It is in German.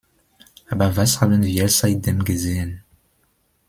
Aber was haben wir seitdem gesehen?